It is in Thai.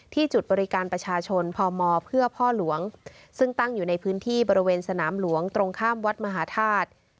จุดบริการประชาชนพมเพื่อพ่อหลวงซึ่งตั้งอยู่ในพื้นที่บริเวณสนามหลวงตรงข้ามวัดมหาธาตุ